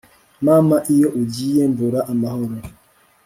mama iyo ugiye mbura amahoro